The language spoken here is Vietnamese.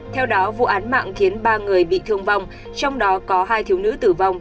theo đó vụ án mạng khiến ba người bị thương vong trong đó có hai thiếu nữ tử vong